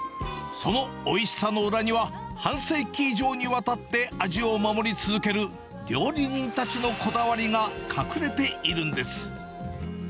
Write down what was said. そのおいしさの裏には、半世紀以上にわたって味を守り続ける料理人たちのこだわりが隠れているんです。